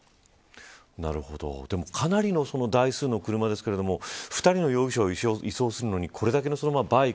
でもかなりの台数の車ですけれども２人の容疑者を移送するのにこれだけのバイク。